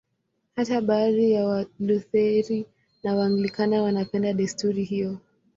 Hata baadhi ya Walutheri na Waanglikana wanapenda desturi hiyo.